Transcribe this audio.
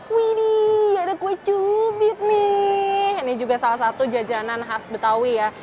wih nih ada kue cubit nih ini juga salah satu jajanan khas betawi ya